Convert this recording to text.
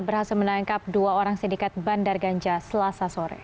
berhasil menangkap dua orang sindikat bandar ganja selasa sore